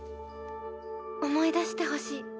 思い出してほしい。